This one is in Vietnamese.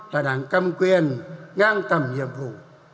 là đảng cầm quyền ngang tầm nhiệm vụ